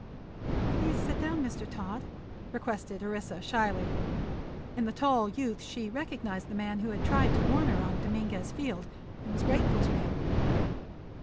"Please sit down, Mr. Todd," requested Orissa, shyly. In the tall youth she had recognized the man who had tried to warn her on Dominguez Field, and was grateful to him.